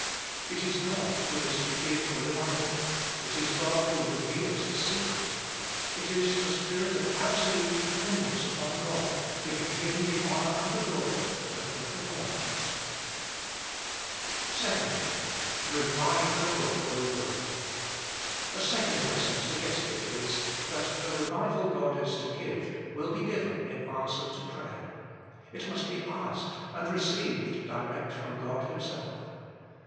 It is God who is to give the revival ; it is God who reveals His secret ; it is the spirit of absolute dependence upon God, giving Him the honour and the glory, that will prepare for it. 2. " Revive Thy work, Lord I " A second lesson suggested is, that the revival God is to give will be given in answer to prayer. It must be asked and received direct from God Himself.